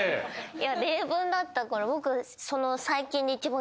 いや例文だったから僕。